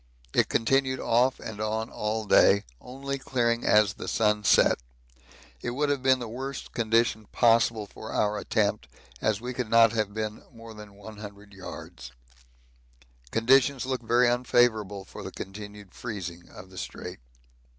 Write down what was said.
It continued off and on all day, only clearing as the sun set. It would have been the worst condition possible for our attempt, as we could not have been more than 100 yards. Conditions look very unfavourable for the continued freezing of the Strait.